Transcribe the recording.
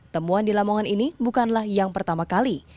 temuan di lamongan ini bukanlah yang pertama kali